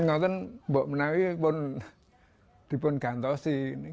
kalau kan bok menawi pun dikantosin